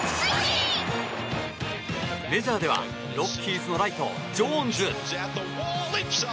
メジャーではロッキーズのライトジョーンズ。